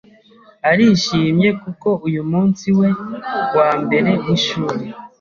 arishimye kuko uyumunsi we wambere wishuri.